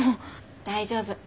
大丈夫。